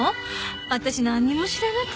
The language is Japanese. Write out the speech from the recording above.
私なんにも知らなくて。